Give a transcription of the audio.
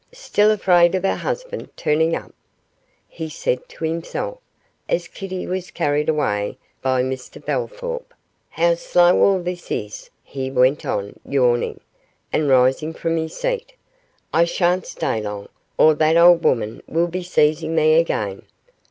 still afraid of her husband turning up,' he said to himself, as Kitty was carried away for a valse by Mr Bellthorp; 'how slow all this is?' he went on, yawning, and rising from his seat; 'I shan't stay long, or that old woman will be seizing me again.